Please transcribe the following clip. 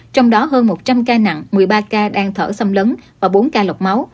trong đó hơn một trăm linh ca nặng một mươi ba ca đang thở xâm lấn và bốn ca lọc máu